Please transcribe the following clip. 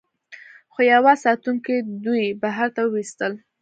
خو یوه ساتونکي دوی بهر ته وویستل